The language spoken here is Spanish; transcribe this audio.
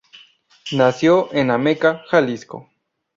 Nació en Ameca, Jalisco.